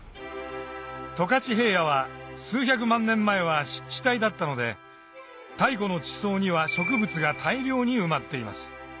十勝平野は数百万年前は湿地帯だったので太古の地層には植物が大量に埋まっています